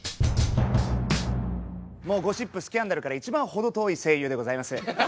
ゴシップスキャンダルから一番程遠い声優でございます。